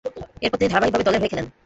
এরপর তিনি ধারাবাহিকভাবে দলের হয়ে খেলেন।